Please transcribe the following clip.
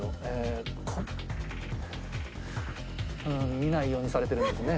見ないようにされてるんですね。